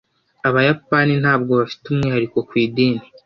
Abayapani ntabwo bafite umwihariko ku idini.